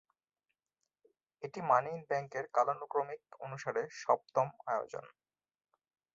এটা money in bank এর কালানুক্রমিক অনুসারে সপ্তম আয়োজন।